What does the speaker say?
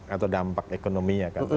atau dampak ekonominya